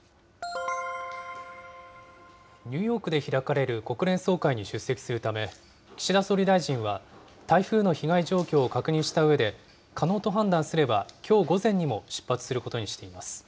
ニューヨークで開かれる国連総会に出席するため、岸田総理大臣は台風の被害状況を確認したうえで、可能と判断すれば、きょう午前にも出発することにしています。